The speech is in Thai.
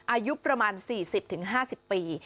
อายุประมาณ๔๐๕๐ปี